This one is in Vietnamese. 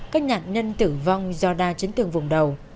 các nạn nhân tử vong do đa chấn thương vùng đầu